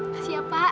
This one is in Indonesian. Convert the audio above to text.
masih ya pak